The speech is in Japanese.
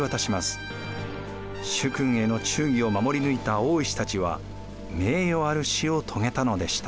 主君への忠義を守り抜いた大石たちは名誉ある死を遂げたのでした。